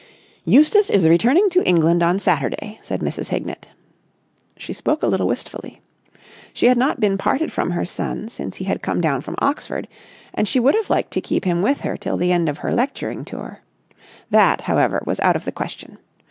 "Eustace is returning to England on Saturday," said Mrs. Hignett. She spoke a little wistfully. She had not been parted from her son since he had come down from Oxford; and she would have liked to keep him with her till the end of her lecturing tour. That, however, was out of the question.